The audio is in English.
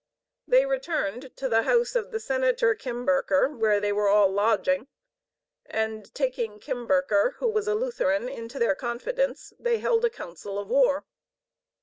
They returned to the house of the Senator Kimberker, where they were all lodging, and taking Kimberker, who was a Lutheran, into their confidence, they held a council of war.